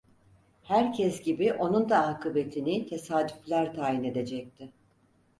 Herkes gibi onun da akıbetini tesadüfler tayin edecekti.